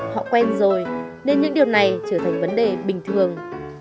họ quen rồi nên những điều này trở thành vấn đề bình thường